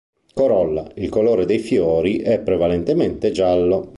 Corolla: il colore dei fiori è prevalente giallo.